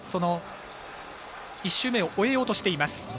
１周目を終えようとしています。